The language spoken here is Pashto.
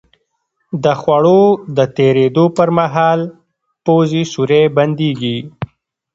د خوړو د تېرېدو په مهال پوزې سوری بندېږي.